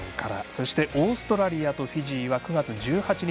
そしてオーストラリアとフィジー９月１８日